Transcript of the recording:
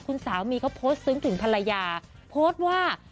คุณสามีเขาโพสต์ซึ้งถึงภรรยาโพสต์ว่า